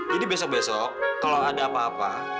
jadi besok besok kalau ada apa apa